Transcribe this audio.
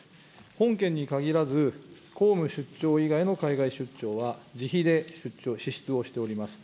本件に限らず、公務出張以外の海外出張は、自費で出張、支出をしております。